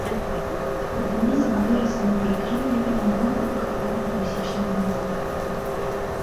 Акадэмізм вырас на прытрымліванні вонкавых форм класічнага мастацтва.